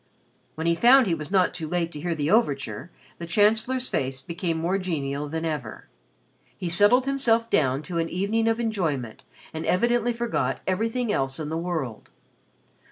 When he found he was not too late to hear the overture, the Chancellor's face become more genial than ever. He settled himself down to an evening of enjoyment and evidently forgot everything else in the world.